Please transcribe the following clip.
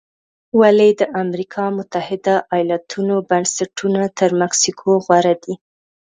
ولې د امریکا متحده ایالتونو بنسټونه تر مکسیکو غوره دي؟